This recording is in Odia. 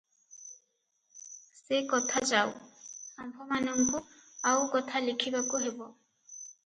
ସେ କଥା ଯାଉ, ଆମ୍ଭମାନଙ୍କୁ ଆଉ କଥା ଲେଖିବାକୁ ହେବ ।